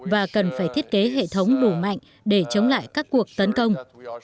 và cần phải thiết kế hệ thống đủ mạnh để chống lại các cuộc tấn công